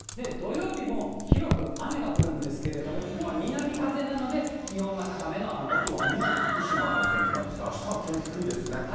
土曜日も広く雨が降るんですけれども、ここは南風なので、あとは宮城、福島のお天気なんですが、あしたは気温低いですね。